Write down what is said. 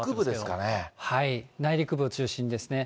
内陸部中心ですね。